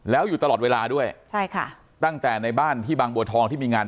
แล้วอยู่ตลอดเวลาด้วยใช่ค่ะตั้งแต่ในบ้านที่บางบัวทองที่มีงาน